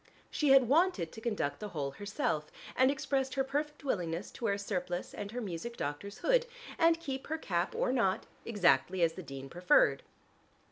She had wanted to conduct the whole herself, and expressed her perfect willingness to wear a surplice and her music doctor's hood, and keep on her cap or not, exactly as the dean preferred.